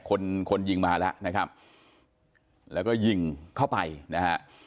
คนคนยิงมาแล้วนะครับแล้วก็ยิงเข้าไปนะฮะ